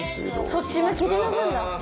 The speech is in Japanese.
そっち向きで読むんだ。